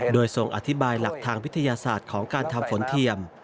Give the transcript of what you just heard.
โดยทรงอธิบายหลักทางวิทยาศาสตร์ของการทำฝนเทียม